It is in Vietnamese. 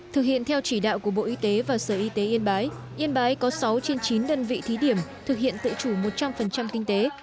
thực hiện theo chỉ đạo của bộ y tế và sở y tế yên bái yên bái có sáu trên chín đơn vị thí điểm thực hiện tự chủ một trăm linh kinh tế